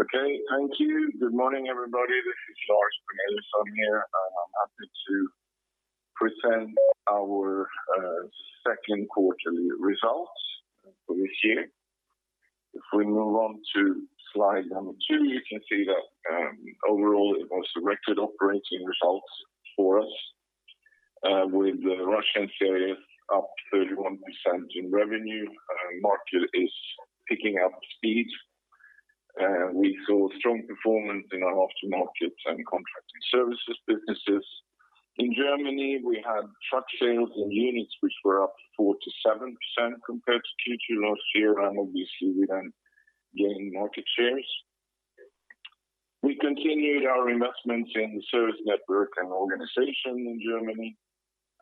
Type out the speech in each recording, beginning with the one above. Okay, thank you. Good morning, everybody. This is Lars Corneliusson. I'm here, and I'm happy to present our second quarterly results for this year. If we move on to slide two, you can see that overall it was record operating results for us, with Russia and Scandinavia up 31% in revenue. Market is picking up speed. We saw strong performance in our aftermarket and contracting services businesses. In Germany, we had truck sales in units which were up 47% compared to Q2 last year, and obviously we then gained market shares. We continued our investments in the service network and organization in Germany,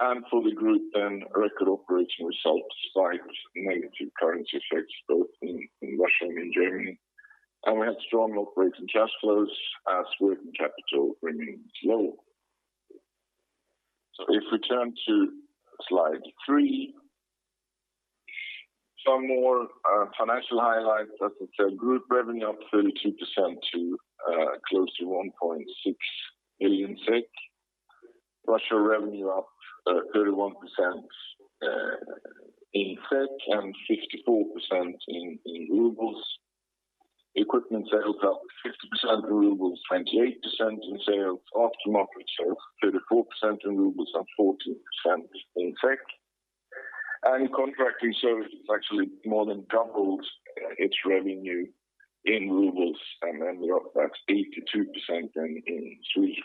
and for the group then record operating results despite negative currency effects both in Russia and in Germany. We had strong operating cash flows as working capital remains low. If we turn to slide three, some more financial highlights. As I said, group revenue up 32% to close to 1.6 billion SEK. Russia revenue up 31% in SEK and 54% in RUB. Equipment sales up 50% in RUB, 28% in sales. Aftermarket sales, 34% in RUB and 14% in SEK. Contracting services actually more than doubled its revenue in RUB and then we're up 82% then in SEK.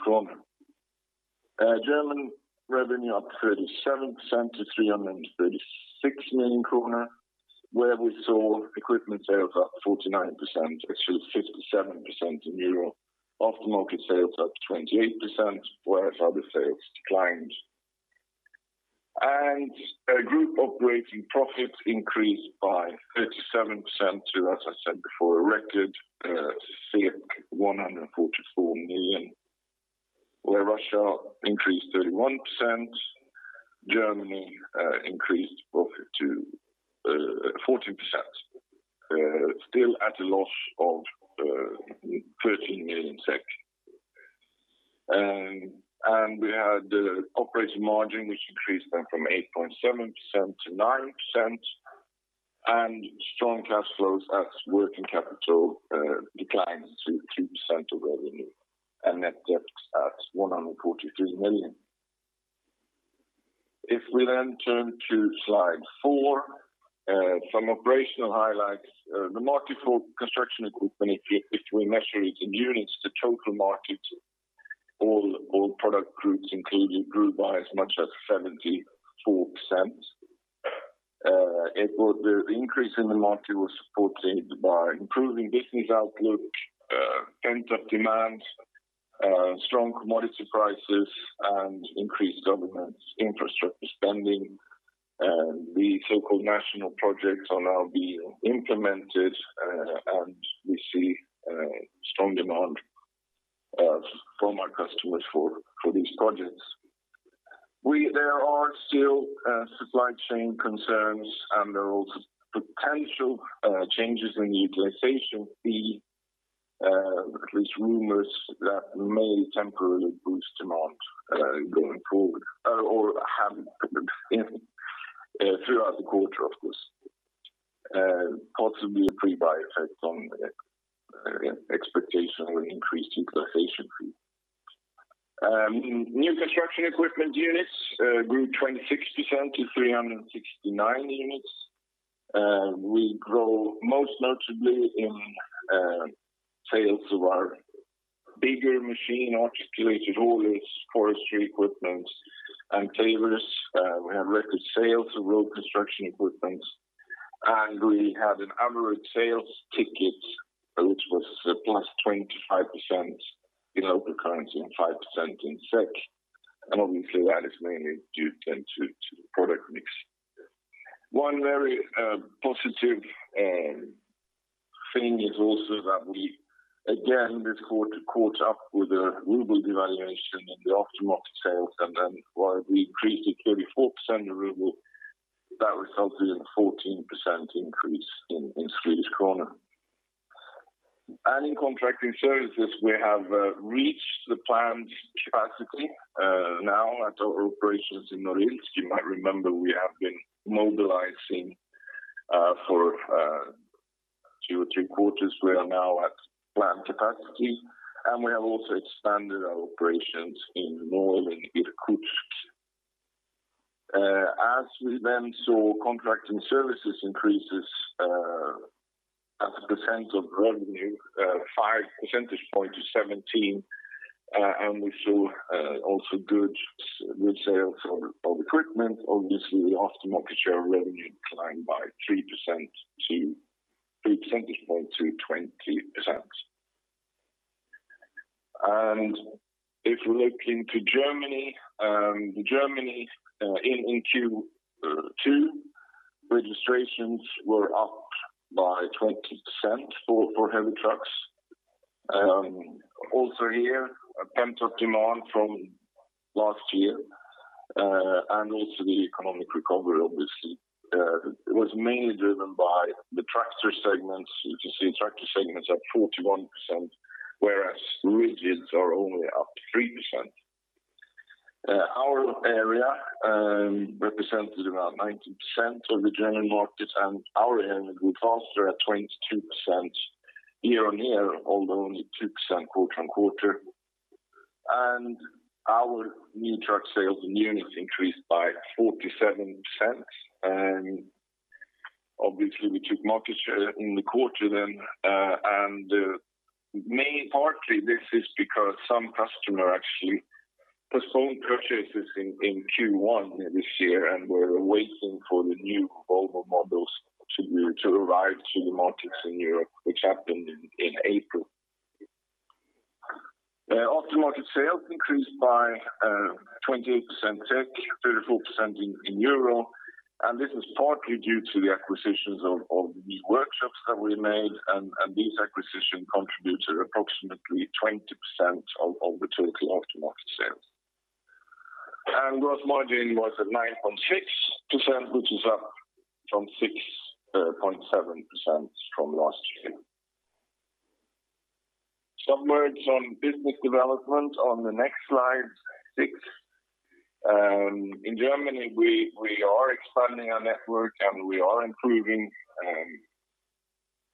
German revenue up 37% to 336 million krona, where we saw equipment sales up 49%, actually 57% in EUR. Aftermarket sales up 28%, whereas other sales declined. Group operating profits increased by 37% to, as I said before, a record 144 million, where Russia increased 31%, Germany increased profit to 14%, still at a loss of 13 million SEK. We had the operating margin, which increased then from 8.7%-9%, and strong cash flows as working capital declines to 2% of revenue, and net debt at 143 million. If we then turn to slide four, some operational highlights. The market for construction equipment, if we measure it in units to total markets, all product groups included grew by as much as 74%. The increase in the market was supported by improving business outlook, pent-up demand, strong commodity prices, and increased government infrastructure spending. The so-called National Projects are now being implemented, and we see strong demand from our customers for these projects. There are still supply chain concerns and there are also potential changes in the utilization fee, at least rumors that may temporarily boost demand going forward or have been throughout the quarter, of course, possibly a pre-buy effect on expectation of increased utilization fee. New construction equipment units grew 26% to 369 units. We grow most notably in sales of our bigger machine, articulated haulers, forestry equipment, and graders. We have record sales of road construction equipment, and we had an average sales ticket which was +25% in local currency and 5% in SEK, and obviously that is mainly due then to the product mix. One very positive thing is also that we again this quarter caught up with the ruble devaluation in the aftermarket sales, and then while we increased it 34% in ruble, that resulted in a 14% increase in Swedish krona. In contracting services, we have reached the planned capacity now at our operations in Norilsk. You might remember we have been mobilizing for two or three quarters. We are now at planned capacity, and we have also expanded our operations in the north, in Irkutsk. We then saw contracting services increases as a percent of revenue, five percentage point to 17%, we saw also good sales of equipment. Obviously, the aftermarket share of revenue declined by 3% to three percentage point to 20%. If we look into Germany, in Q2, registrations were up by 20% for heavy trucks. Also here, a pent-up demand from last year, and also the economic recovery, obviously. It was mainly driven by the tractor segments. You can see tractor segments are 41%, whereas rigids are only up 3%. Our area represented about 19% of the German market, our area grew faster at 22% year on year, although only 2% quarter on quarter. Our new truck sales in units increased by 47%. Obviously, we took market share in the quarter then, mainly partly this is because some customer actually postponed purchases in Q1 this year and were waiting for the new Volvo models to arrive to the markets in Europe, which happened in April. Aftermarket sales increased by 28% SEK, 34% in EUR, this is partly due to the acquisitions of new workshops that we made, and these acquisitions contributed approximately 20% of the total aftermarket sales. Gross margin was at 9.6%, which is up from 6.7% from last year. Some words on business development on the next slide, six. In Germany, we are expanding our network, we are improving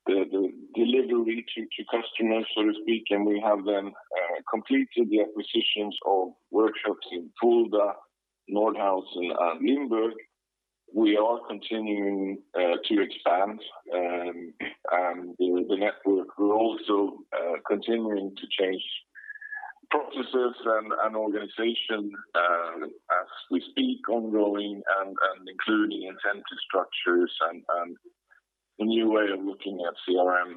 the delivery to customers, so to speak, we have then completed the acquisitions of workshops in Fulda, Nordhausen, and Nienburg. We are continuing to expand the network. We're also continuing to change processes and organization as we speak, ongoing and including incentive structures and a new way of looking at CRM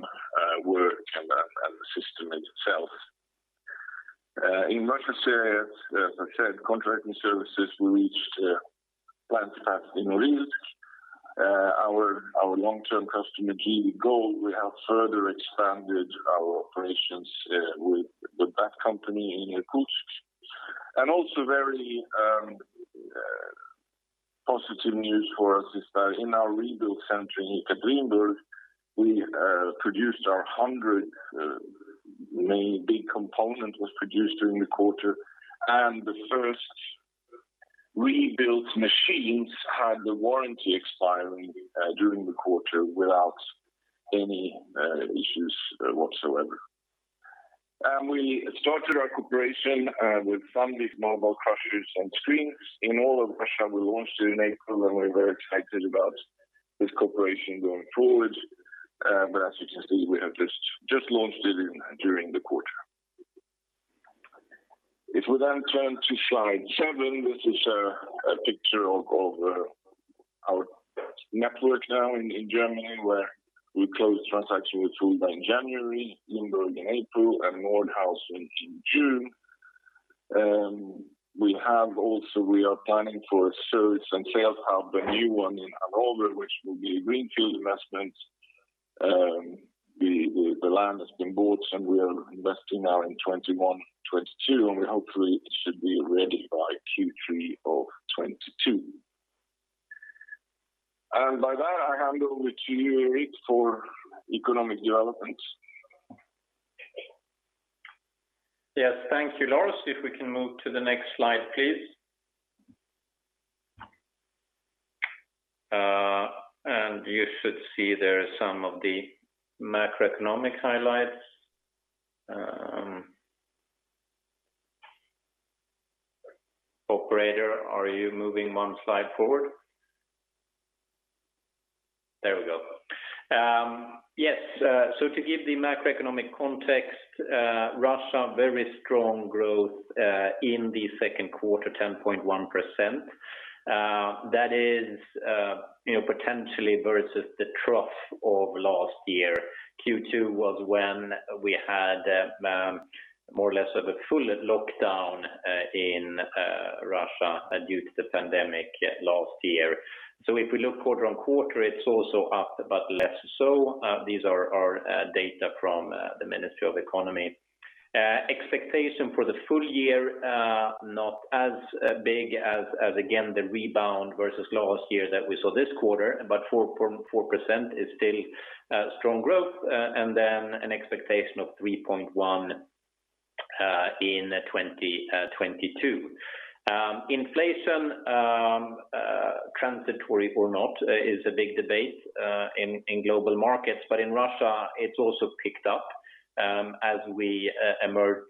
work and the system itself. In Russia sales, as I said, contracting services, we reached plant status in Oryol. Our long-term customer, GV Gold, we have further expanded our operations with that company in Irkutsk. Also very positive news for us is that in our rebuild center in Ekaterinburg, we produced our 100th main big component was produced during the quarter, and the first rebuilt machines had the warranty expiring during the quarter without any issues whatsoever. We started our cooperation with Sandvik mobile crushers and screens in all of Russia. We launched in April, and we're very excited about this cooperation going forward. As you can see, we have just launched it during the quarter. If we turn to slide seven, this is a picture of our network now in Germany, where we closed transaction with Fulda in January, Nienburg in April, and Nordhausen in June. We are planning for a service and sales hub, a new one in Hanover, which will be a greenfield investment. The land has been bought, we are investing now in 2021, 2022, and hopefully it should be ready by Q3 of 2022. By that, I hand over to Erik for economic development. Yes. Thank you, Lars. If we can move to the next slide, please. You should see there are some of the macroeconomic highlights. Operator, are you moving one slide forward? There we go. To give the macroeconomic context, Russia, very strong growth in the second quarter, 10.1%. That is potentially versus the trough of last year. Q2 was when we had more or less of a full lockdown in Russia due to the pandemic last year. If we look quarter-over-quarter, it's also up, but less so. These are our data from the Ministry of Economy. Expectation for the full year, not as big as, again, the rebound versus last year that we saw this quarter, but 4.4% is still strong growth, and then an expectation of 3.1% in 2022. Inflation, transitory or not, is a big debate in global markets. In Russia, it's also picked up as we emerge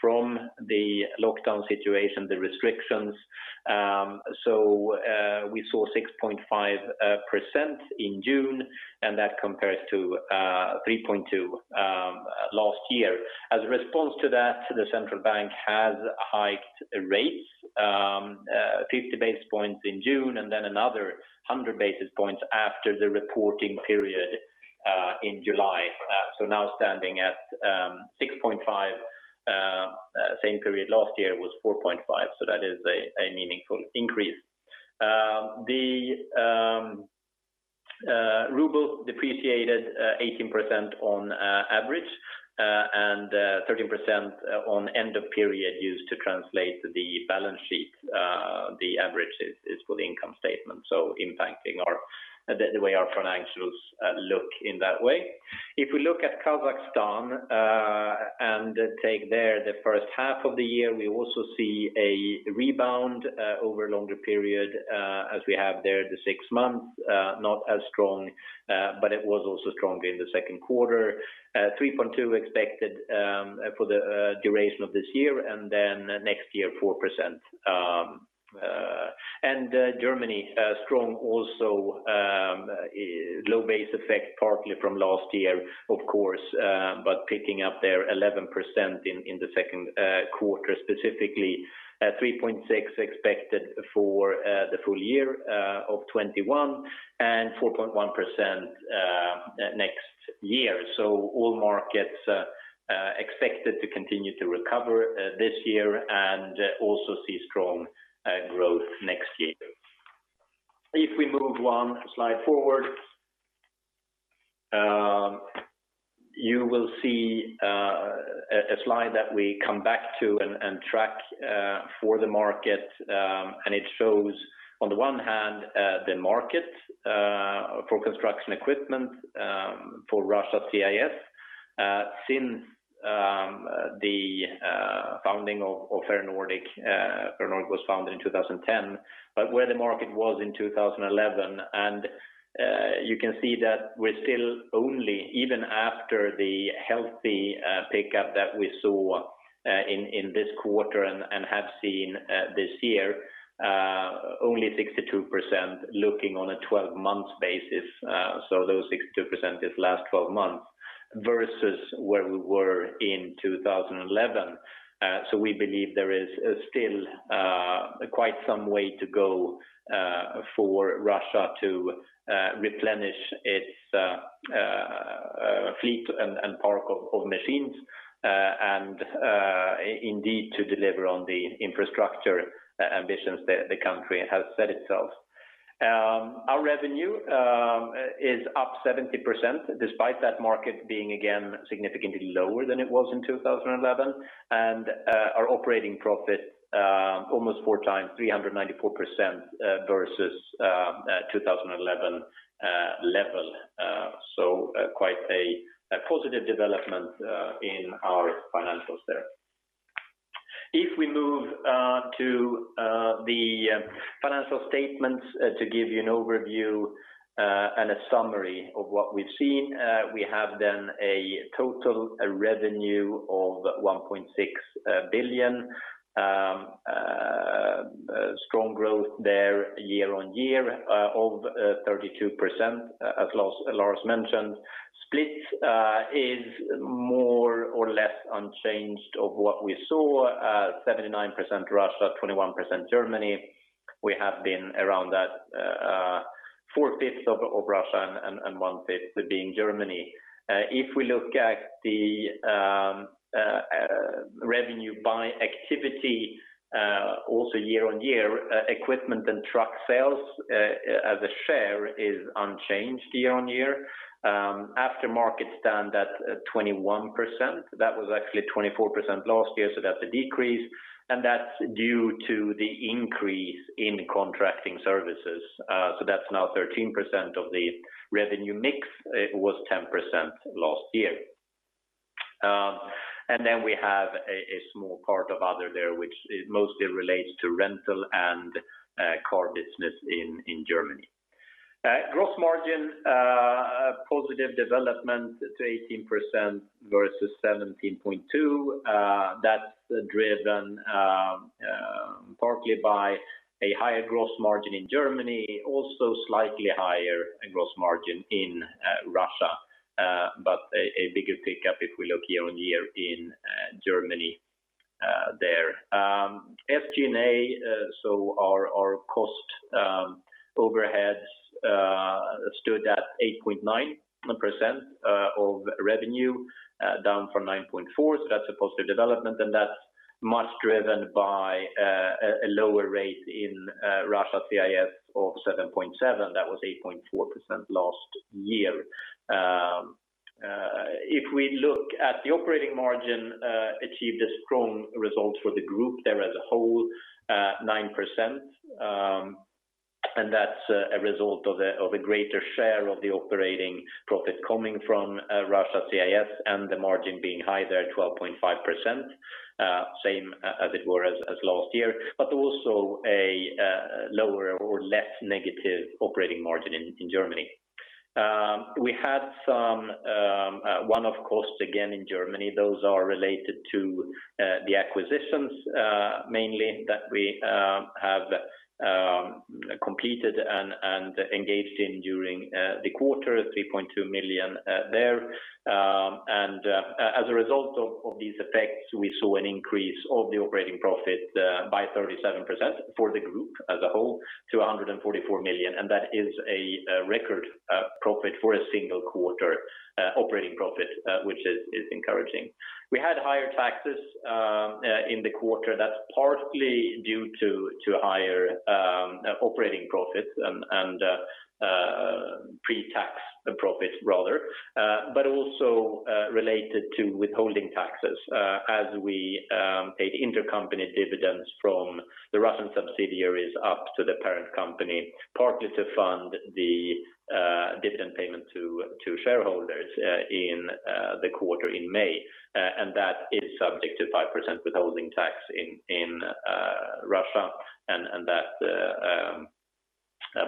from the lockdown situation, the restrictions. We saw 6.5% in June, and that compares to 3.2% last year. As a response to that, the central bank has hiked rates 50 basis points in June, another 100 basis points after the reporting period in July. Now standing at 6.5%. The same period last year was 4.5%, that is a meaningful increase. The ruble depreciated 18% on average and 13% on end of period used to translate the balance sheet. The average is for the income statement, impacting the way our financials look in that way. If we look at Kazakhstan and take there the first half of the year, we also see a rebound over longer period as we have there the six months, not as strong, it was also strong in the second quarter. 3.2 expected for the duration of this year, then next year, 4%. Germany, strong also, low base effect partly from last year, of course, picking up their 11% in the second quarter, specifically 3.6 expected for the full year of 2021, 4.1% next year. All markets are expected to continue to recover this year and also see strong growth next year. If we move one slide forward, you will see a slide that we come back to and track for the market, it shows on one hand, the market for construction equipment for Russia CIS since the founding of Ferronordic. Ferronordic was founded in 2010, where the market was in 2011, you can see that we're still only, even after the healthy pickup that we saw in this quarter and have seen this year only 62% looking on a 12 months basis. Those 62% is last 12 months versus where we were in 2011. We believe there is still quite some way to go for Russia to replenish its fleet and park of machines, and indeed to deliver on the infrastructure ambitions that the country has set itself. Our revenue is up 70%, despite that market being again, significantly lower than it was in 2011, and our operating profit almost four times, 394% versus 2011 level. Quite a positive development in our financials there. If we move to the financial statements to give you an overview, and a summary of what we've seen, we have then a total revenue of 1.6 billion. Strong growth there year-on-year of 32%, as Lars mentioned. Split is more or less unchanged of what we saw, 79% Russia, 21% Germany. We have been around that four-fifths of Russia and one-fifth being Germany. If we look at the revenue by activity, also year-over-year, equipment and truck sales as a share is unchanged year-over-year. Aftermarket stood at 21%, that was actually 24% last year, so that's a decrease, and that's due to the increase in contracting services. That's now 13% of the revenue mix. It was 10% last year. We have a small part of other there, which mostly relates to rental and car business in Germany. Gross margin, a positive development to 18% versus 17.2%. That's driven partly by a higher gross margin in Germany, also slightly higher gross margin in Russia, but a bigger pickup if we look year-over-year in Germany there. SG&A, so our cost overheads stood at 8.9% of revenue, down from 9.4%. That's a positive development, and that's much driven by a lower rate in Russia, CIS of 7.7%. That was 8.4% last year. We look at the operating margin, achieved a strong result for the group there as a whole, 9%, that's a result of a greater share of the operating profit coming from Russia, CIS, and the margin being high there, 12.5%, same as it were as last year, but also a lower or less negative operating margin in Germany. We had One-off costs again in Germany. Those are related to the acquisitions mainly that we have completed and engaged in during the quarter, 3.2 million there. As a result of these effects, we saw an increase of the operating profit by 37% for the group as a whole to 144 million. That is a record profit for a single quarter operating profit which is encouraging. We had higher taxes in the quarter. That's partly due to higher operating profits and pre-tax profits rather, but also related to withholding taxes as we paid intercompany dividends from the Russian subsidiaries up to the parent company, partly to fund the dividend payment to shareholders in the quarter in May. That is subject to 5% withholding tax in Russia. That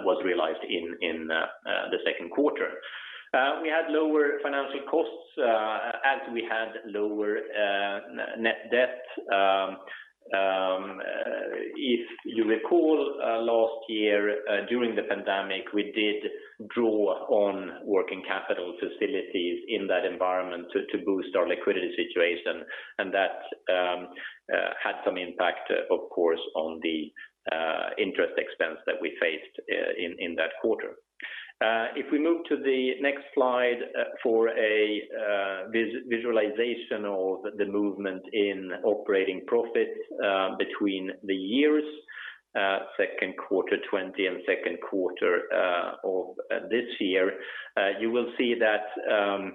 was realized in the second quarter. We had lower financial costs as we had lower net debt. If you recall, last year during the pandemic, we did draw on working capital facilities in that environment to boost our liquidity situation. That had some impact of course, on the interest expense that we faced in that quarter. If we move to the next slide for a visualization of the movement in operating profit between the years second quarter 2020 and second quarter of this year you will see that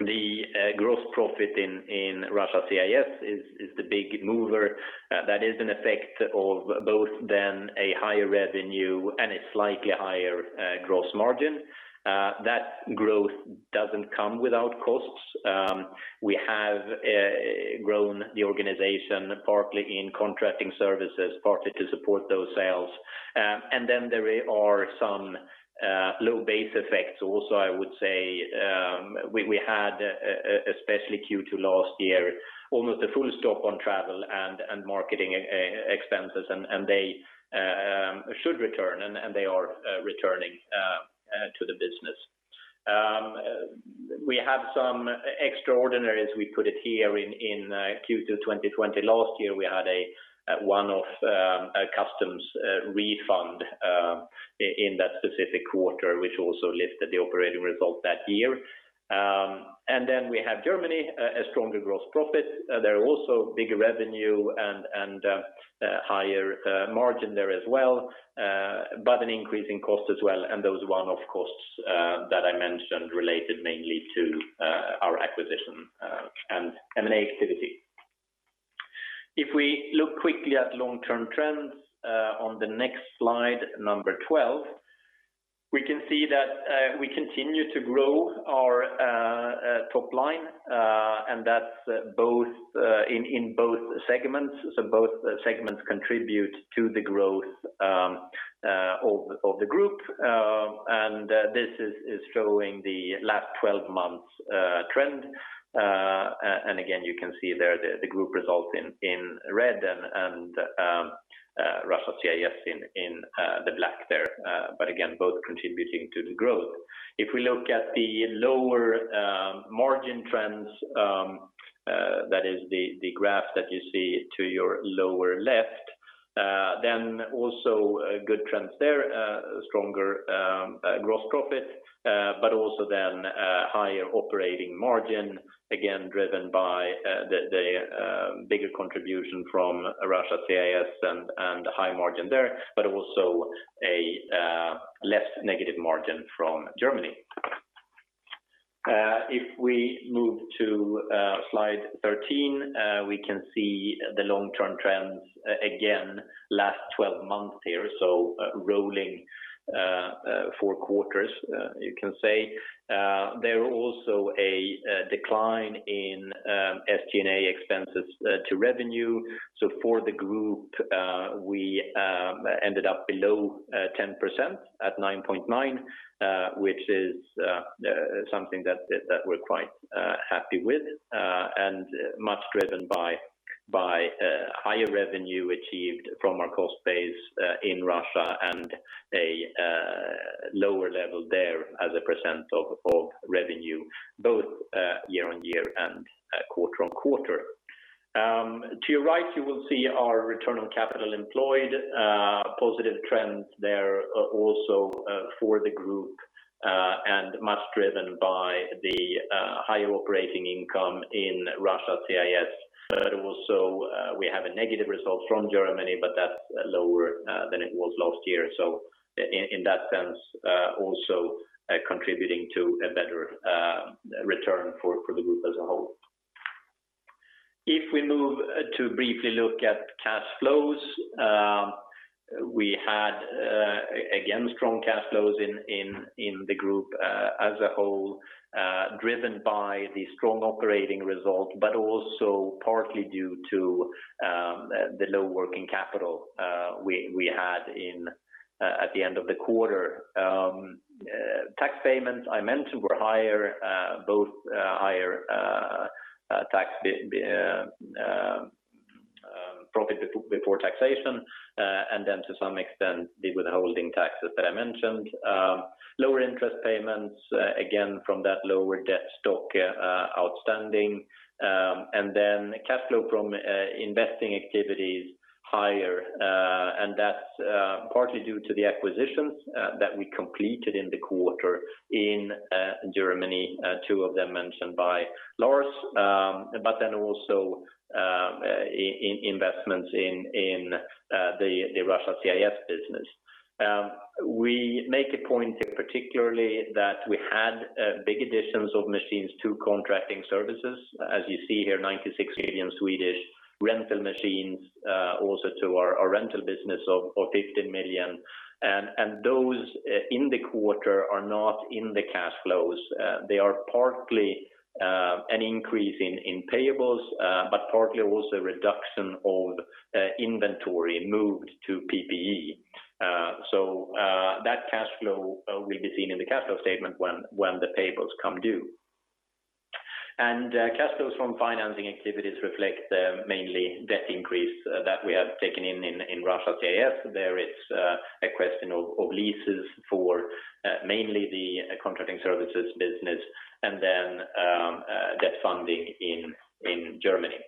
the gross profit in Russia/CIS is the big mover. That is an effect of both then a higher revenue and a slightly higher gross margin. That growth doesn't come without costs. We have grown the organization partly in contracting services, partly to support those sales. There are some low base effects also, I would say we had especially Q2 last year, almost a full stop on travel and marketing expenses and they should return and they are returning to the business. We have some extraordinaries. We put it here in Q2 2020. Last year we had a one-off customs refund in that specific quarter, which also lifted the operating result that year. We have Germany, a stronger gross profit. There are also bigger revenue and higher margin there as well, but an increase in cost as well. Those one-off costs that I mentioned related mainly to our acquisition and M&A activity. If we look quickly at long term trends on the next slide 12, we can see that we continue to grow our top line and that's in both segments. Both segments contribute to the growth of the group. This is showing the last 12 months trend. Again, you can see there the group result in red and Russia/CIS in the black there. Again, both contributing to the growth. If we look at the lower margin trends that is the graph that you see to your lower left, then also good trends there, stronger gross profit, but also then higher operating margin again driven by the bigger contribution from Russia/CIS and higher margin there, but also a less negative margin from Germany. If we move to slide 13, we can see the long term trends again last 12 months here. Rolling four quarters you can say. There are also a decline in SG&A expenses to revenue. For the group we ended up below 10% at 9.9%, which is something that we're quite happy with and much driven by higher revenue achieved from our cost base in Russia and a lower level there as a percent of revenue both year-on-year and quarter-on-quarter. To your right, you will see our return on capital employed, positive trends there also for the group, and much driven by the higher operating income in Russia/CIS. We have a negative result from Germany, but that's lower than it was last year. In that sense also contributing to a better return for the group as a whole. If we move to briefly look at cash flows, we had again strong cash flows in the group as a whole driven by the strong operating result, but also partly due to the low working capital we had at the end of the quarter. Tax payments, I mentioned, were higher, both higher profit before taxation, and then to some extent the withholding taxes that I mentioned. Lower interest payments, again from that lower debt stock outstanding. Cash flow from investing activities higher, and that's partly due to the acquisitions that we completed in the quarter in Germany, two of them mentioned by Lars, but then also investments in the Russia CIS business. We make a point particularly that we had big additions of machines to contracting services. As you see here, 96 million Swedish rental machines also to our rental business of 15 million. Those in the quarter are not in the cash flows. They are partly an increase in payables, but partly also a reduction of inventory moved to PPE. That cash flow will be seen in the cash flow statement when the payables come due. Cash flows from financing activities reflect mainly debt increase that we have taken in Russia CIS. There it's a question of leases for mainly the contracting services business and then debt funding in Germany.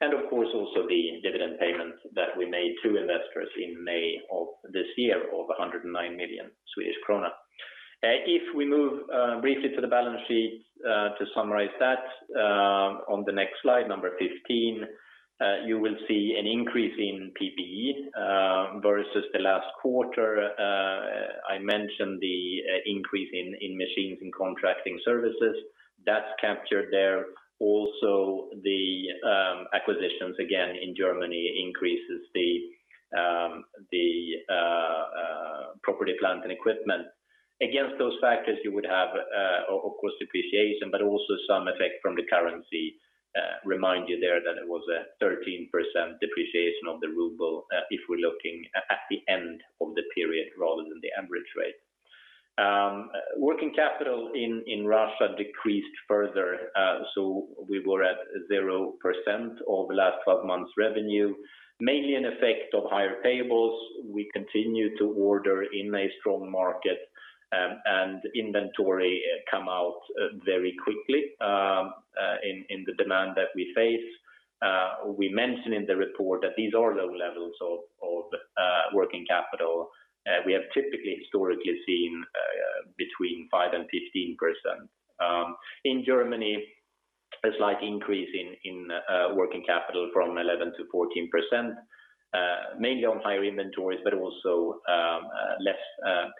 Of course, also the dividend payment that we made to investors in May of this year of 109 million Swedish krona. If we move briefly to the balance sheet to summarize that on the next slide, number 15, you will see an increase in PPE versus the last quarter. I mentioned the increase in machines in contracting services. That's captured there. Also, the acquisitions, again in Germany, increases the property, plant, and equipment. Against those factors, you would have, of course, depreciation, but also some effect from the currency. Remind you there that it was a 13% depreciation of the ruble if we're looking at the end of the period rather than the average rate. Working capital in Russia decreased further, so we were at 0% of the last 12 months revenue, mainly an effect of higher payables. We continue to order in a strong market, and inventory come out very quickly in the demand that we face. We mention in the report that these are low levels of working capital. We have typically historically seen between 5% and 15%. In Germany, a slight increase in working capital from 11%-14%, mainly on higher inventories, but also less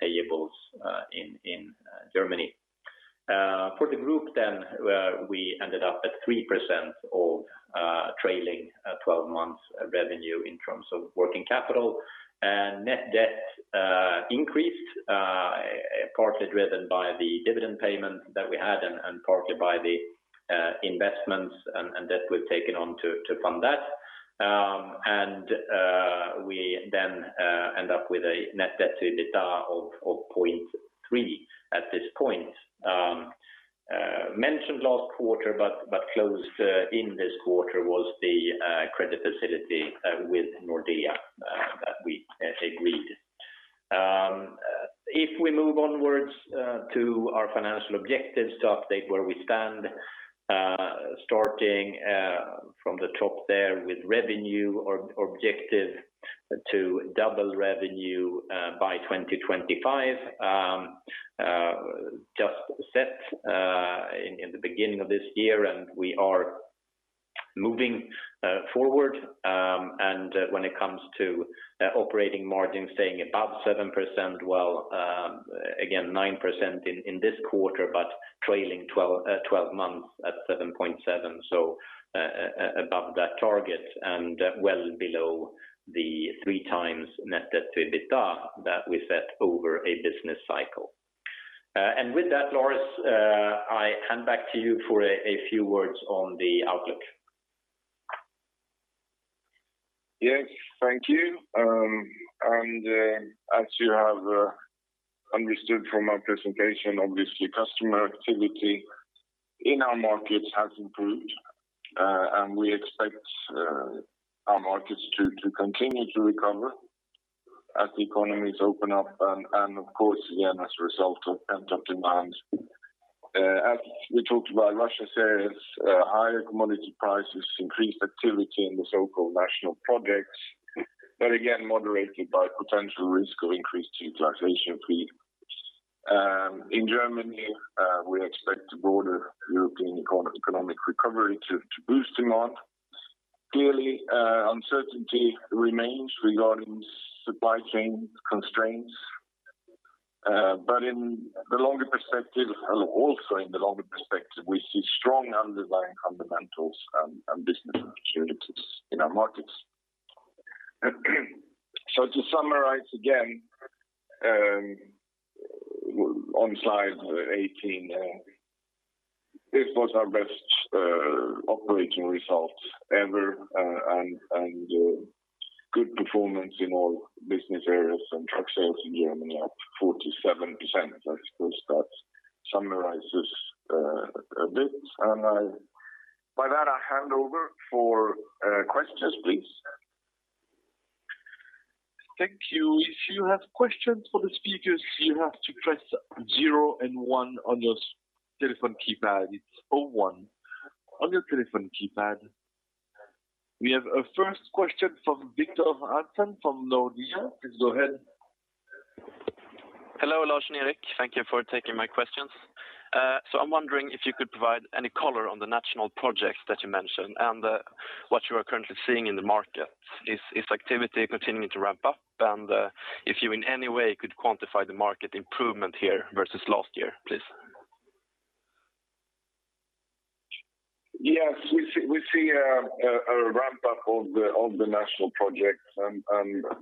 payables in Germany. For the group then, we ended up at 3% of trailing 12 months revenue in terms of working capital. Net debt increased, partly driven by the dividend payment that we had and partly by the investments and debt we've taken on to fund that. We then end up with a net debt to EBITDA of 0.3 at this point. Mentioned last quarter, but closed in this quarter was the credit facility with Nordea that we agreed. If we move onwards to our financial objectives to update where we stand, starting from the top there with revenue objective to double revenue by 2025, just set in the beginning of this year, we are moving forward. When it comes to operating margin staying above 7%, well, again, 9% in this quarter, but trailing 12 months at 7.7%, so above that target and well below the three times net debt to EBITDA that we set over a business cycle. With that, Lars, I hand back to you for a few words on the outlook. Yes. Thank you. As you have understood from my presentation, obviously, customer activity in our markets has improved, and we expect our markets to continue to recover as the economies open up, and of course, again, as a result of pent-up demand. As we talked about Russia CIS, higher commodity prices, increased activity in the so-called national projects, but again, moderated by potential risk of increased utilization fee. In Germany, we expect the broader European economic recovery to boost demand. Clearly, uncertainty remains regarding supply chain constraints. Also in the longer perspective, we see strong underlying fundamentals and business opportunities in our markets. To summarize again. On slide 18, this was our best operating results ever, and good performance in all business areas, and truck sales in Germany up 47%. I suppose that summarizes a bit. By that, I hand over for questions, please. We have a first question from Victor Hansen from Nordea. Please go ahead. Hello, Lars and Erik. Thank you for taking my questions. I'm wondering if you could provide any color on the National Projects that you mentioned and what you are currently seeing in the market. Is activity continuing to ramp up? If you in any way could quantify the market improvement here versus last year, please. Yes. We see a ramp-up of the National Projects.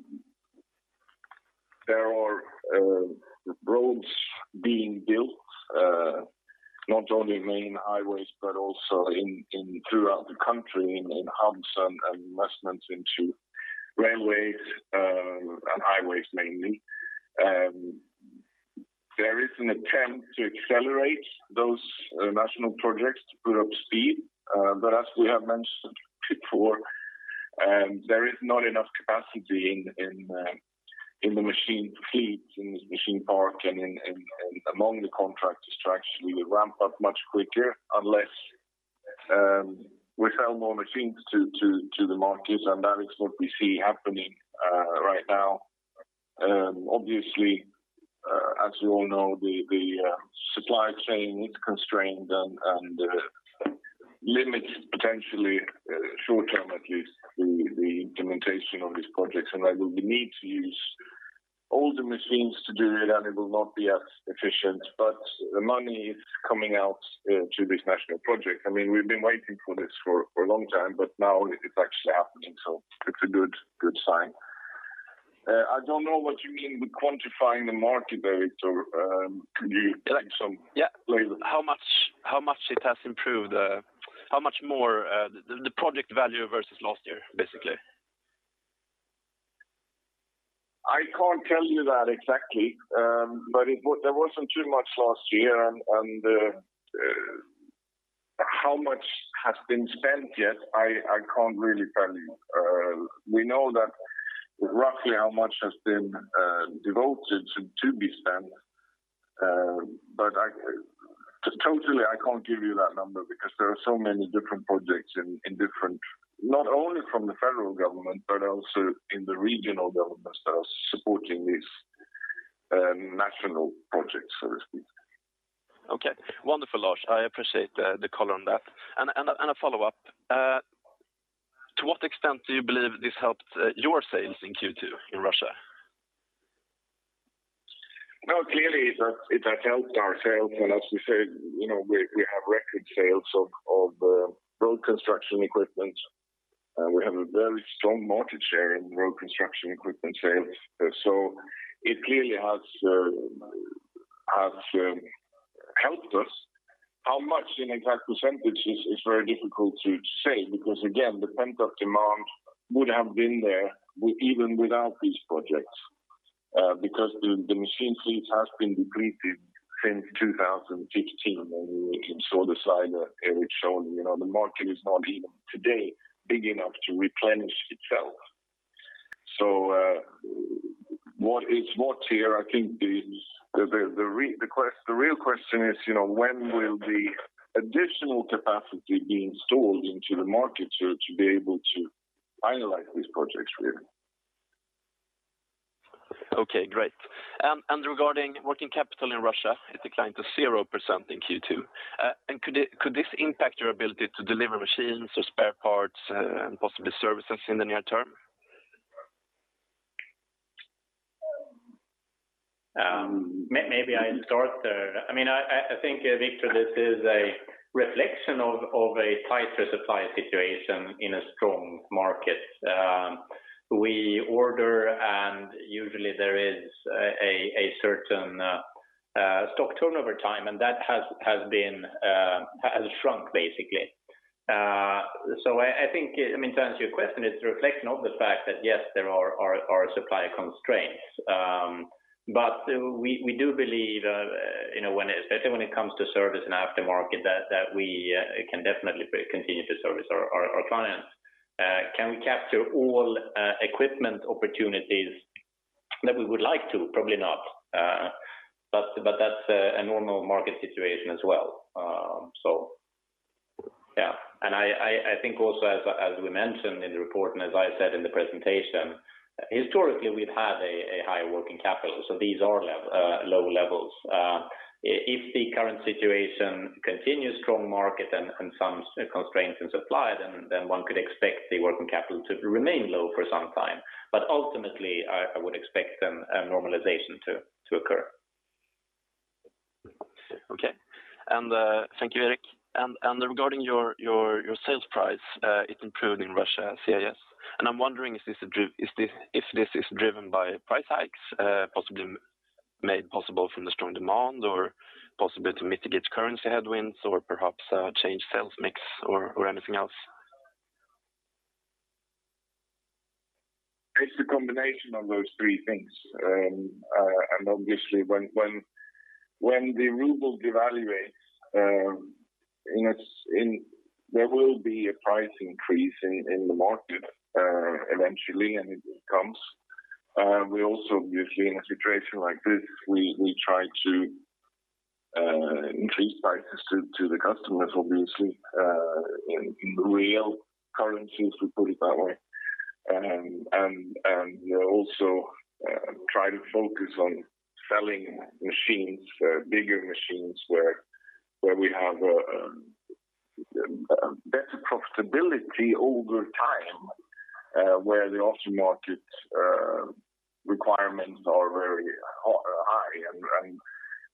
There are roads being built, not only main highways but also throughout the country in hubs and investments into railways and highways mainly. There is an attempt to accelerate those National Projects to put up speed. As we have mentioned before, there is not enough capacity in the machine fleet, in the machine park, and among the contractors to actually ramp up much quicker unless we sell more machines to the market, and that is what we see happening right now. Obviously, as we all know, the supply chain is constrained and limits potentially, short term at least, the implementation of these projects. They will need to use older machines to do it, and it will not be as efficient. The money is coming out to this National Project. We've been waiting for this for a long time, but now it's actually happening, so it's a good sign. I don't know what you mean with quantifying the market, Victor. Can you give some flavor? Yes. How much it has improved. How much more the project value versus last year, basically. I can't tell you that exactly. There wasn't too much last year, and how much has been spent yet, I can't really tell you. We know roughly how much has been devoted to be spent. Totally, I can't give you that number because there are so many different projects, not only from the federal government but also in the regional governments that are supporting these national projects, so to speak. Okay. Wonderful, Lars. I appreciate the color on that. A follow-up. To what extent do you believe this helped your sales in Q2 in Russia? Well, clearly, it has helped our sales. As we said, we have record sales of road construction equipment. We have a very strong market share in road construction equipment sales. It clearly has helped us. How much in exact percentages is very difficult to say, because again, the pent-up demand would have been there even without these projects. Because the machine fleet has been depleted since 2015, and you saw the slide that Erik shown. The market is not even today big enough to replenish itself. What is what here, I think the real question is, when will the additional capacity be installed into the market to be able to finalize these projects really? Okay, great. Regarding working capital in Russia, it declined to 0% in Q2. Could this impact your ability to deliver machines or spare parts and possibly services in the near term? Maybe I start there. I think, Victor, this is a reflection of a tighter supply situation in a strong market. We order, usually there is a certain stock turnover time, and that has shrunk, basically. I think, to answer your question, it's a reflection of the fact that, yes, there are supply constraints. We do believe, especially when it comes to service and aftermarket, that we can definitely continue to service our clients. Can we capture all equipment opportunities that we would like to? Probably not. That's a normal market situation as well. Yeah. I think also, as we mentioned in the report and as I said in the presentation, historically, we've had a high working capital, so these are low levels. If the current situation continues, strong market and some constraints in supply, one could expect the working capital to remain low for some time. Ultimately, I would expect a normalization to occur. Okay. Thank you, Erik. Regarding your sales price, it improved in Russia, CIS. I'm wondering if this is driven by price hikes, possibly made possible from the strong demand or possibly to mitigate currency headwinds or perhaps change sales mix or anything else? It's a combination of those three things. Obviously when the ruble devaluates, there will be a price increase in the market eventually, and it comes. We also, usually in a situation like this, we try to increase prices to the customers, obviously, in real currency, to put it that way. We also try to focus on selling machines, bigger machines, where we have a better profitability over time, where the aftermarket requirements are very high, and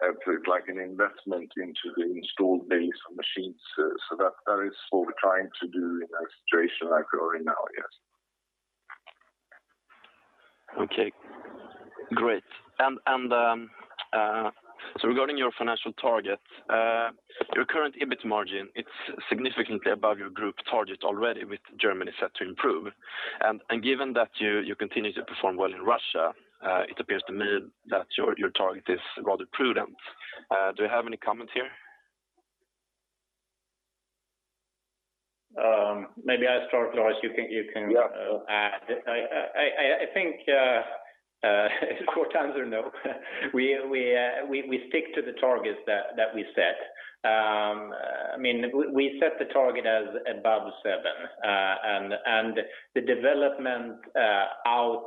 it looks like an investment into the installed base of machines. That is what we're trying to do in a situation like we are in now, yes. Okay, great. Regarding your financial targets, your current EBIT margin, it's significantly above your group target already with Germany set to improve. Given that you continue to perform well in Russia, it appears to me that your target is rather prudent. Do you have any comment here? Maybe I start, Lars, you can add. Yeah. I think the short answer, no. We stick to the targets that we set. We set the target as above seven. The development out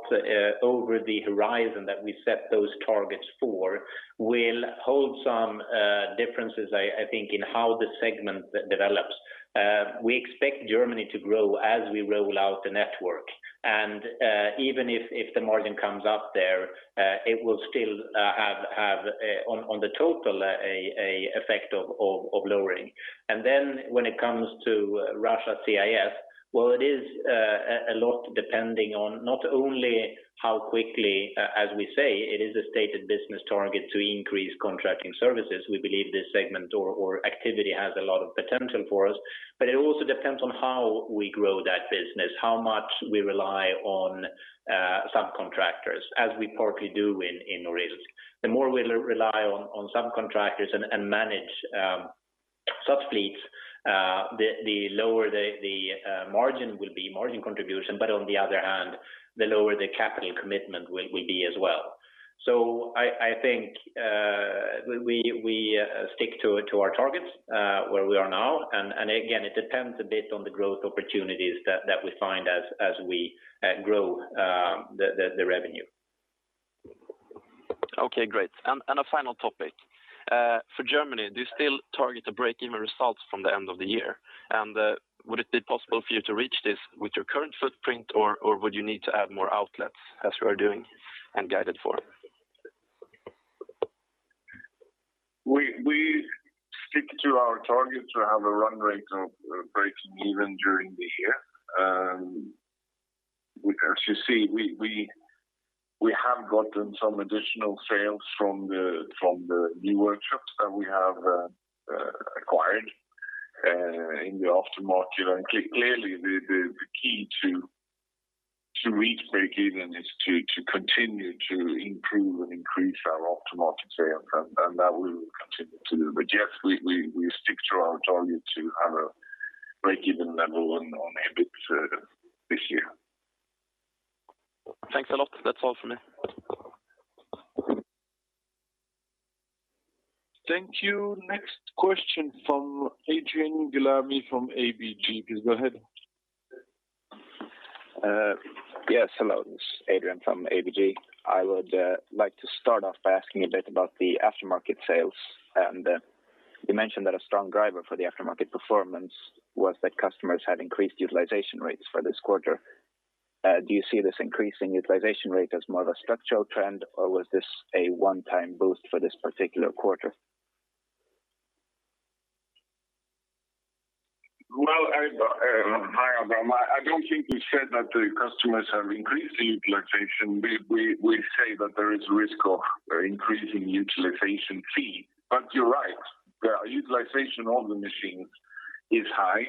over the horizon that we set those targets for will hold some differences, I think, in how the segment develops. We expect Germany to grow as we roll out the network. Even if the margin comes up there, it will still have, on the total, a effect of lowering. When it comes to Russia, CIS, well, it is a lot depending on not only how quickly, as we say, it is a stated business target to increase contracting services. We believe this segment or activity has a lot of potential for us. It also depends on how we grow that business, how much we rely on subcontractors as we partly do in Norilsk. The more we rely on subcontractors and manage sub-fleets, the lower the margin will be, margin contribution. On the other hand, the lower the capital commitment will be as well. I think we stick to our targets, where we are now. Again, it depends a bit on the growth opportunities that we find as we grow the revenue. Okay, great. A final topic. For Germany, do you still target a breakeven result from the end of the year? Would it be possible for you to reach this with your current footprint or would you need to add more outlets as you are doing and guided for? We stick to our target to have a run rate of breaking even during the year. As you see, we have gotten some additional sales from the new workshops that we have acquired in the aftermarket. Clearly, the key to reach breakeven is to continue to improve and increase our aftermarket sales. That we will continue to do. Yes, we stick to our target to have a breakeven level on EBIT this year. Thanks a lot. That is all from me. Thank you. Next question from Adrian Gilani from ABG. Please go ahead. Yes, hello, this is Adrian from ABG. I would like to start off by asking a bit about the aftermarket sales. You mentioned that a strong driver for the aftermarket performance was that customers had increased utilization rates for this quarter. Do you see this increase in utilization rate as more of a structural trend, or was this a one-time boost for this particular quarter? Well, hi, Adrian. I don't think we said that the customers have increased the utilization. We say that there is risk of increasing utilization fee. You're right, the utilization of the machines is high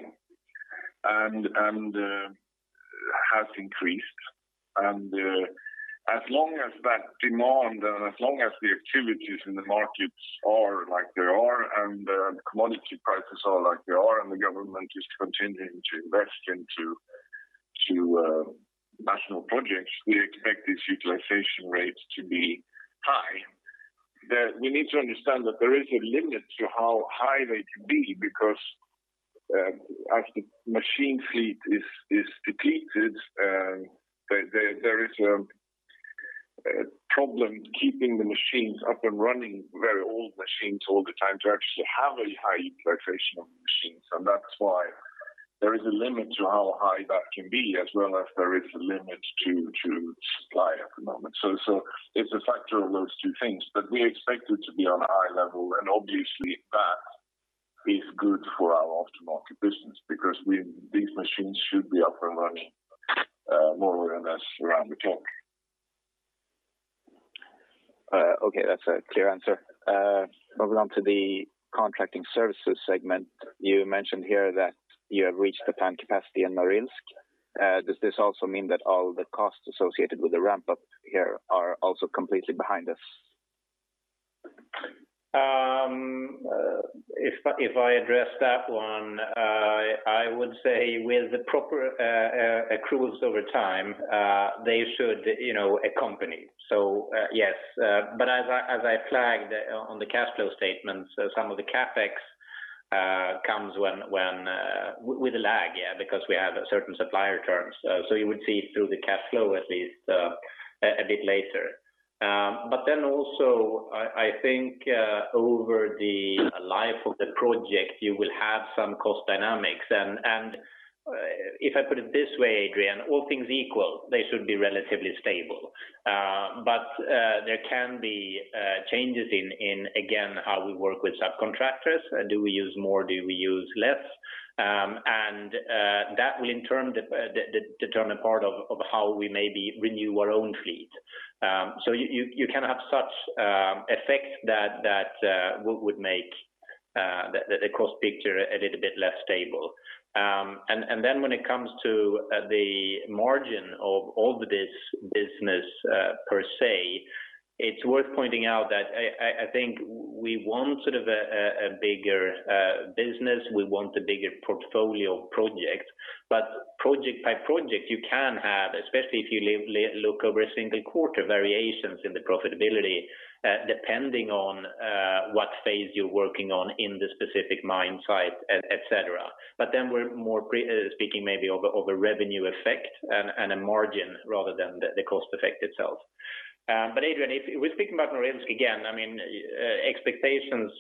and has increased. As long as that demand and as long as the activities in the markets are like they are and the commodity prices are like they are and the government is continuing to invest into national projects, we expect this utilization rate to be high. We need to understand that there is a limit to how high they can be, because as the machine fleet is depleted, there is a problem keeping the machines up and running, very old machines all the time to actually have a high utilization of them. That's why there is a limit to how high that can be, as well as there is a limit to supply at the moment. It's a factor of those two things, but we expect it to be on a high level, and obviously that is good for our aftermarket business because these machines should be up and running more or less around the clock. Okay. That's a clear answer. Moving on to the contracting services segment. You mentioned here that you have reached the plant capacity in Norilsk. Does this also mean that all the costs associated with the ramp-up here are also completely behind us? If I address that one, I would say with the proper accruals over time, they should accompany. Yes. As I flagged on the cash flow statement, some of the CapEx comes with a lag, yeah, because we have certain supplier terms. You would see it through the cash flow at least, a bit later. Also, I think, over the life of the project, you will have some cost dynamics. If I put it this way, Adrian, all things equal, they should be relatively stable. There can be changes in, again, how we work with subcontractors. Do we use more? Do we use less? That will, in turn, determine part of how we maybe renew our own fleet. You can have such effects that would make the cost picture a little bit less stable. When it comes to the margin of all this business per se, it's worth pointing out that I think we want a bigger business, we want a bigger portfolio of projects. Project by project, you can have, especially if you look over a single quarter, variations in the profitability, depending on what phase you're working on in the specific mine site, et cetera. We're more speaking maybe of a revenue effect and a margin rather than the cost effect itself. Adrian Gilani, if we're speaking about Norilsk again, expectations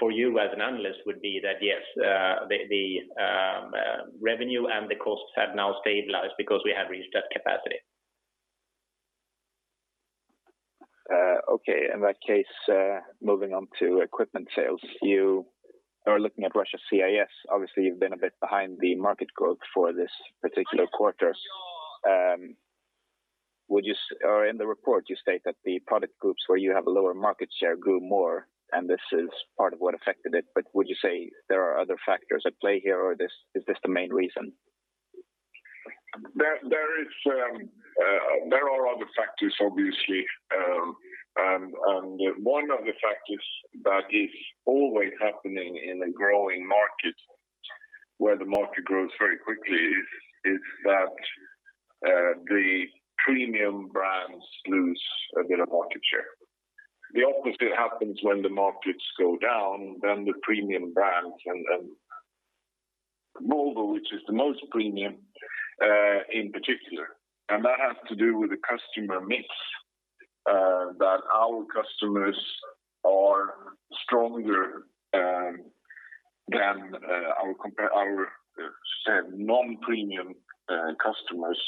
for you as an analyst would be that, yes, the revenue and the costs have now stabilized because we have reached that capacity. Okay, in that case, moving on to equipment sales. You are looking at Russia CIS. Obviously, you've been a bit behind the market growth for this particular quarter. In the report, you state that the product groups where you have a lower market share grew more, and this is part of what affected it, but would you say there are other factors at play here, or is this the main reason? There are other factors, obviously. One of the factors that is always happening in a growing market, where the market grows very quickly is that the premium brands lose a bit of market share. The opposite happens when the markets go down, the premium brands and Volvo, which is the most premium, in particular. That has to do with the customer mix, that our customers are stronger than our non-premium customers.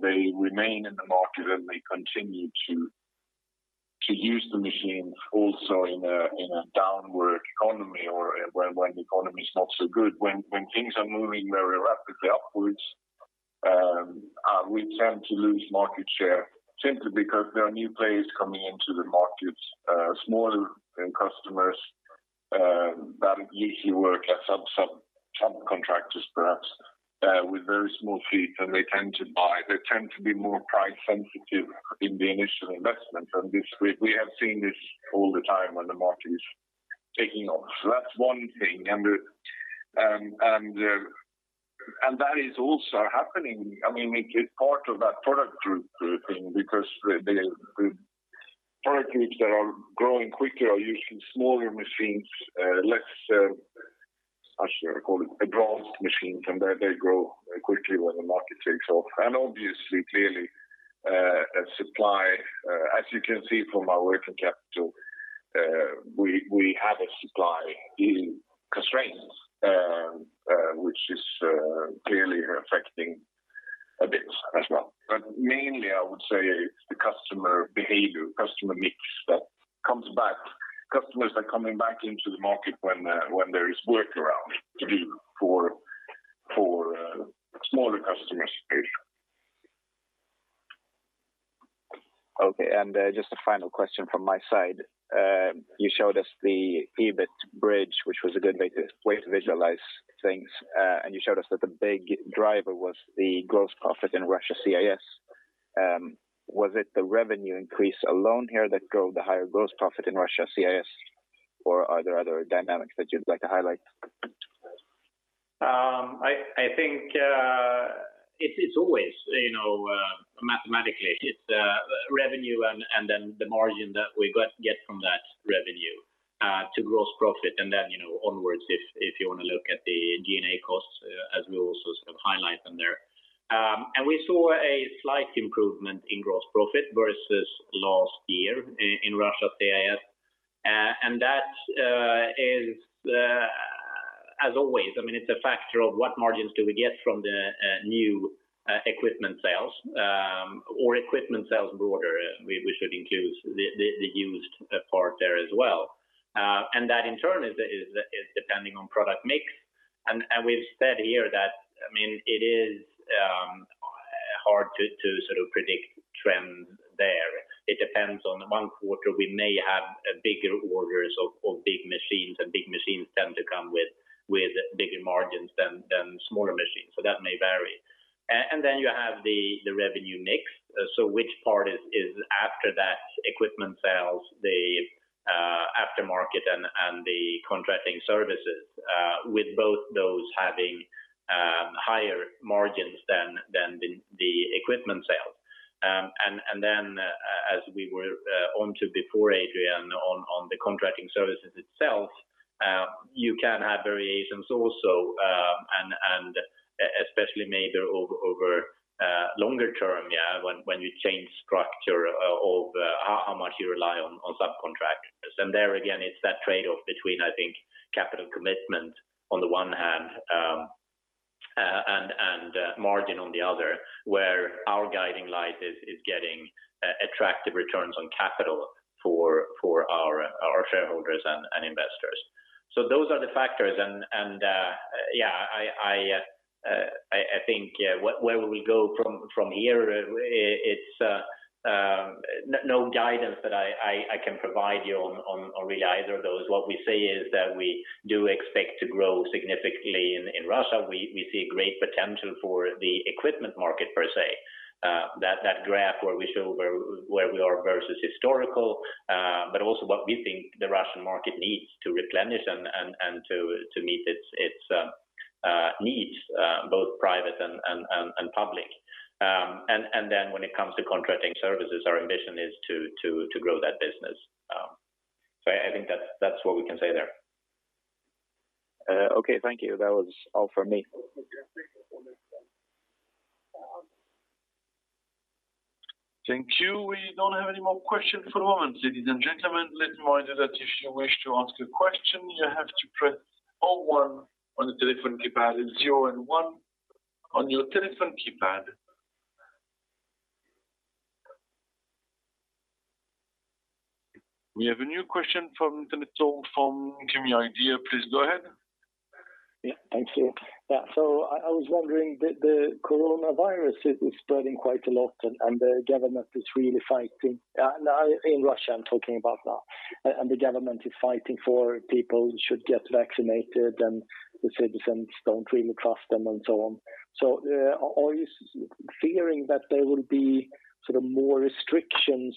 They remain in the market, and they continue to use the machines also in a downward economy or when the economy is not so good. When things are moving very rapidly upwards, we tend to lose market share simply because there are new players coming into the markets, smaller customers that usually work as subcontractors, perhaps, with very small fleets, and they tend to buy. They tend to be more price sensitive in the initial investment. We have seen this all the time when the market is taking off. That's one thing. That is also happening. It's part of that product group thing because the product groups that are growing quicker are usually smaller machines, let's, how should I call it, advanced machines, and they grow quickly when the market takes off. Obviously, clearly, supply, as you can see from our working capital, we have a supply constraint, which is clearly affecting a bit as well. Mainly, I would say it's the customer behavior, customer mix that comes back. Customers are coming back into the market when there is work around to do for smaller customers. Okay, just a final question from my side. You showed us the EBIT bridge, which was a good way to visualize things. You showed us that the big driver was the gross profit in Russia CIS. Was it the revenue increase alone here that drove the higher gross profit in Russia CIS, or are there other dynamics that you'd like to highlight? I think, it's always, mathematically, it's revenue and then the margin that we get from that revenue to gross profit and then onwards, if you want to look at the G&A costs as we also highlight them there. We saw a slight improvement in gross profit versus last year in Russia, CIS. That is, as always, it's a factor of what margins do we get from the new equipment sales or equipment sales broader, we should include the used part there as well. That in turn is depending on product mix. We've said here that it is hard to predict trends there. It depends on 1 quarter, we may have bigger orders of big machines, big machines tend to come with bigger margins than smaller machines, so that may vary. You have the revenue mix. Which part is after that equipment sales, the aftermarket and the contracting services, with both those having higher margins than the equipment sales. As we were onto before, Adrian, on the contracting services itself, you can have variations also, and especially maybe over longer term, when you change structure of how much you rely on subcontractors. There again, it's that trade-off between, I think, capital commitment on the one hand, and margin on the other, where our guiding light is getting attractive returns on capital for our shareholders and investors. Those are the factors, and I think where we go from here, it's no guidance that I can provide you on really either of those. What we say is that we do expect to grow significantly in Russia. We see a great potential for the equipment market per se. That graph where we show where we are versus historical, also what we think the Russian market needs to replenish and to meet its needs, both private and public. When it comes to contracting services, our ambition is to grow that business. I think that's what we can say there. Okay. Thank you. That was all for me. We have a new question from Tele2, from Kim Idear. Please go ahead. Yeah. Thank you. I was wondering, the coronavirus is spreading quite a lot, and the government is really fighting. In Russia, I'm talking about now. The government is fighting for people who should get vaccinated, and the citizens don't really trust them and so on. Are you fearing that there will be more restrictions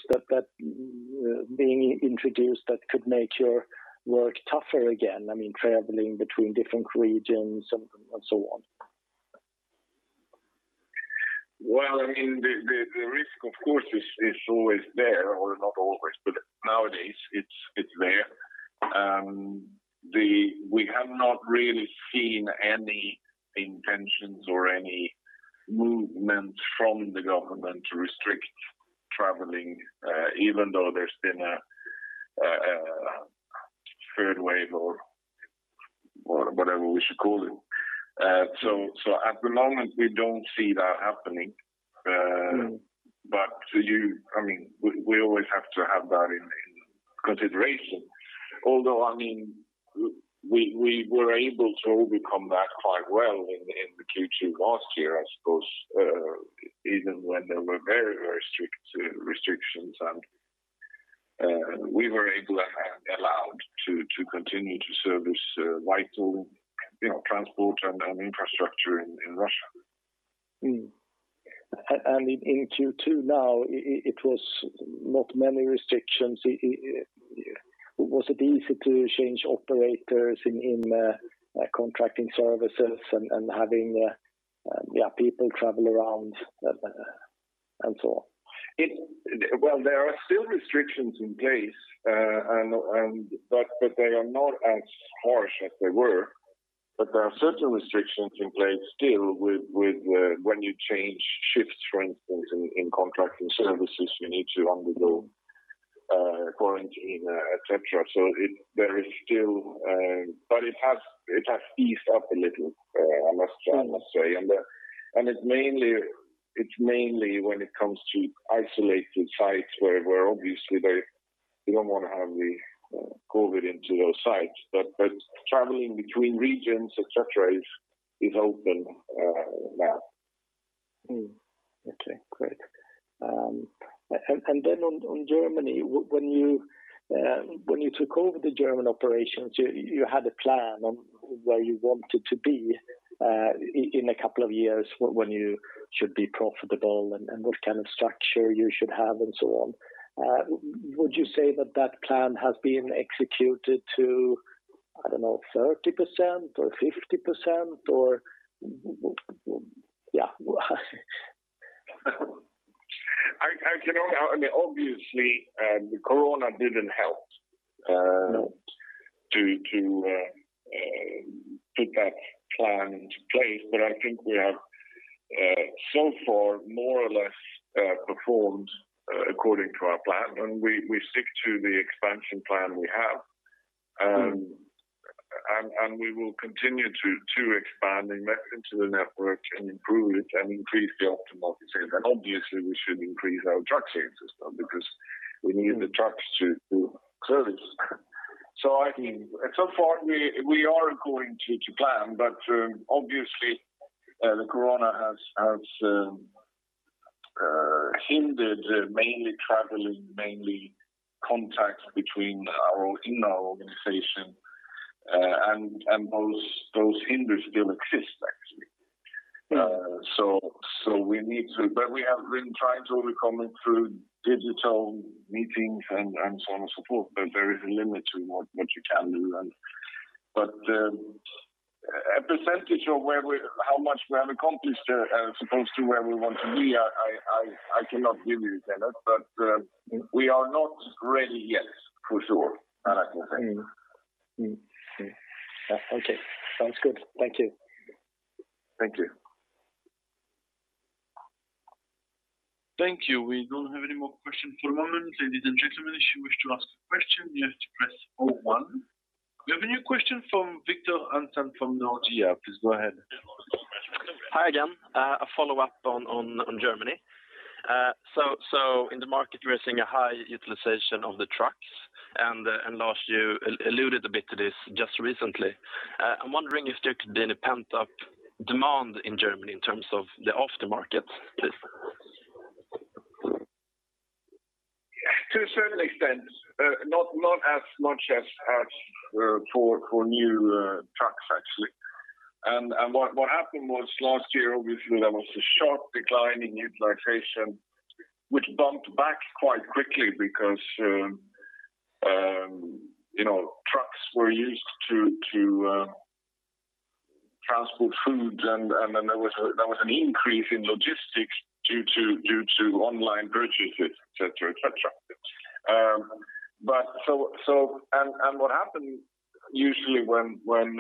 being introduced that could make your work tougher again, I mean, traveling between different regions and so on? Well, the risk, of course, is always there, or not always, but nowadays it's there. We have not really seen any intentions or any movement from the government to restrict traveling, even though there's been a third wave or whatever we should call it. At the moment, we don't see that happening. We always have to have that in consideration. Although, we were able to overcome that quite well in the Q2 last year, I suppose, even when there were very strict restrictions, and we were able and allowed to continue to service vital transport and infrastructure in Russia. In Q2 now, it was not many restrictions. Was it easy to change operators in contracting services and having people travel around and so on? Well, there are still restrictions in place, but they are not as harsh as they were. There are certain restrictions in place still with when you change shifts, for instance, in contracting services, you need to undergo quarantine, et cetera. It has eased up a little, I must say. It's mainly when it comes to isolated sites where obviously they don't want to have the COVID into those sites. Traveling between regions, et cetera, is open now. Okay, great. On Germany, when you took over the German operations, you had a plan on where you wanted to be, in a couple of years, when you should be profitable and what kind of structure you should have and so on. Would you say that plan has been executed to, I don't know, 30% or 50%? Yeah. Obviously, the corona didn't help to put that plan into place. I think we have so far more or less performed according to our plan, and we stick to the expansion plan we have. We will continue to expand into the network and improve it and increase the optimal usage. Obviously, we should increase our truck sales as well, because we need the trucks to service. I think so far we are according to plan, but obviously, the corona has hindered mainly traveling, mainly contact between our internal organization, and those hinders still exist, actually. Yeah. We have been trying to overcome it through digital meetings and so on and so forth, but there is a limit to what you can do. A percentage of how much we have accomplished as opposed to where we want to be, I cannot give you, Kenneth, but we are not ready yet, for sure. That I can say. Okay. Sounds good. Thank you. Thank you. We have a new question from Victor Hansen from Nordea. Please go ahead. Hi again. A follow-up on Germany. In the market, we're seeing a high utilization of the trucks, and Lars, you alluded a bit to this just recently. I'm wondering if there could be any pent-up demand in Germany in terms of the aftermarket please? To a certain extent. Not as much as for new trucks, actually. What happened was last year, obviously, there was a sharp decline in utilization, which bumped back quite quickly because trucks were used to transport food, and then there was an increase in logistics due to online purchases, et cetera. What happens usually when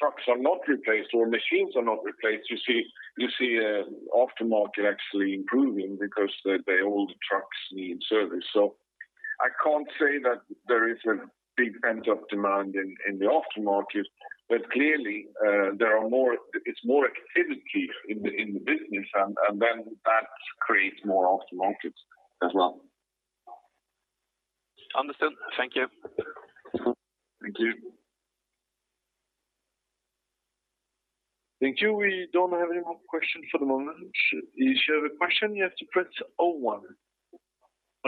trucks are not replaced or machines are not replaced, you see aftermarket actually improving because the old trucks need service. I can't say that there is a big pent-up demand in the aftermarket, but clearly, it's more activity in the business, and then that creates more aftermarket as well. Understood. Thank you. Thank you.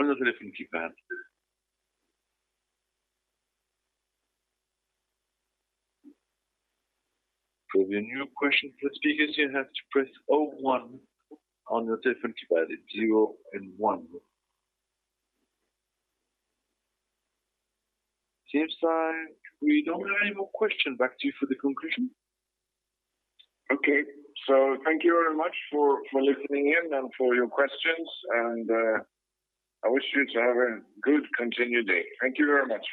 Seems like we don't have any more questions. Back to you for the conclusion. Okay. Thank you very much for listening in and for your questions, and I wish you to have a good continued day. Thank you very much.